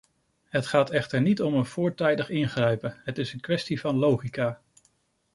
Het gaat echter niet om een voortijdig ingrijpen, het is een kwestie van logica.